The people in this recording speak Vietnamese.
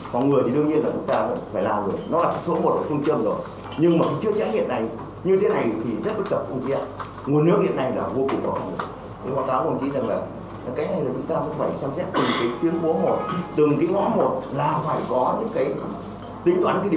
phương án cho toàn khu các hộ gia đình cũng có phương án của mình chữa phòng người như thế nào chữa cháy như thế nào thế rồi thì hãy thống điện an toàn ở đây